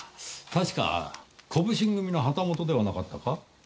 確か小普請組の旗本ではなかったか？